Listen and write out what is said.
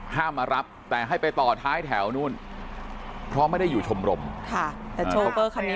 มารับแต่ให้ไปต่อท้ายแถวนู่นเพราะไม่ได้อยู่ชมรมค่ะแต่โชเฟอร์คันนี้